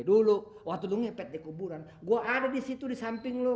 dulu waktu lu ngepet di kuburan gue ada disitu di samping lu